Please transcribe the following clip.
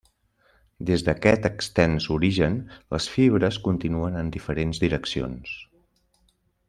Des d'aquest extens origen, les fibres continuen en diferents direccions.